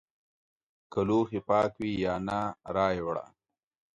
که لوښي پاک وي یا نه رایې وړه!